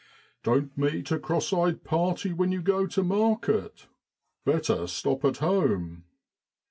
Don't meet a cross eyed party when you go to market; better stop at home.